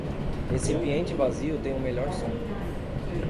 Recipiente vazio tem o melhor som.